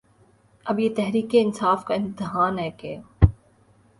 اب یہ تحریک انصاف کا امتحان ہے کہ